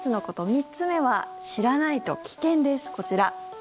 ３つ目は知らないと危険ですこちら。